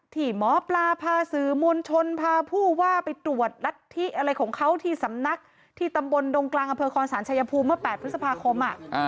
ที่หมอปลาพาสื่อมวลชนพาผู้ว่าไปตรวจรัฐธิอะไรของเขาที่สำนักที่ตำบลดงกลางอำเภอคอนศาลชายภูมิเมื่อ๘พฤษภาคม